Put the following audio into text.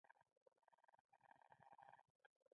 هندوانه د خندا راوستونکې میوه ده.